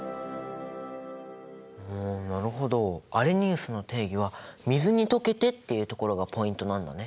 うんなるほどアレニウスの定義は水に溶けてっていうところがポイントなんだね。